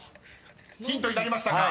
［ヒントになりましたか。